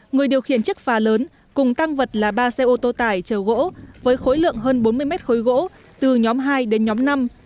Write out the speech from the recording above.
người điều khiển chiếc phà lớn cùng tăng vật là ba xe ô tô tải chở gỗ với khối lượng hơn bốn mươi mét khối gỗ từ nhóm hai đến nhóm năm